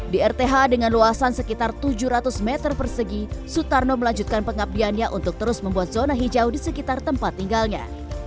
di rth dengan luasan sekitar tujuh ratus meter persegi sutarno melanjutkan pengabdiannya untuk terus membuat zona hijau di sekitar tempat tinggalnya